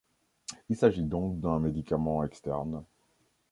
Il s'agit donc d'un médicament externe.